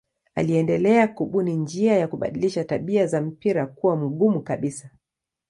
Aliendelea kubuni njia ya kubadilisha tabia za mpira kuwa mgumu kabisa.